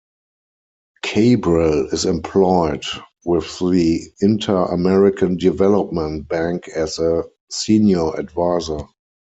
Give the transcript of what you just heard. Cabral is employed with the Inter-American Development Bank as a Senior Advisor.